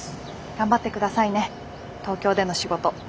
頑張ってくださいね東京での仕事。